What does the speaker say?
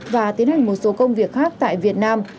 và tiến hành một số công việc khác tại việt nam